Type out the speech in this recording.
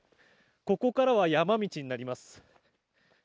ここからは山道になります。